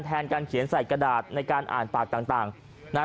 แทนการเขียนใส่กระดาษในการอ่านปากต่างนะฮะ